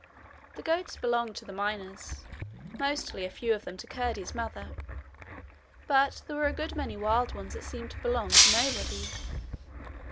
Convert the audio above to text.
The goats belonged to the miners mostly a few of them to Curdie's mother; but there were a good many wild ones that seemed to belong to nobody.